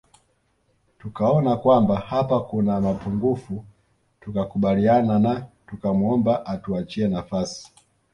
Tukaona kwamba hapa kuna mapungufu tukakubaliana na tukamwomba atuachie nafasi